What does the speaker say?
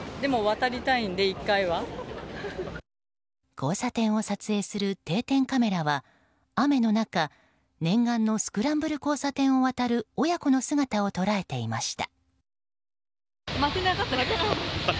交差点を撮影する定点カメラは雨の中念願のスクランブル交差点を渡る親子の姿を捉えていました。